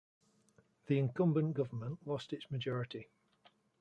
The incumbent government lost its majority.